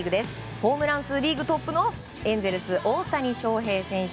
ホームラン数リーグトップのエンゼルス、大谷翔平選手。